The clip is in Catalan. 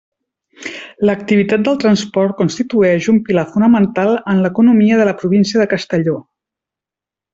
L'activitat del transport constitueix un pilar fonamental en l'economia de la província de Castelló.